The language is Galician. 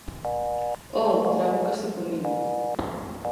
_Oh, trabúcase comigo.